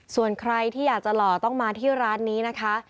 ส่วนใครที่อยากจะหล่อต้องมาที่ร้านนี้นะคะ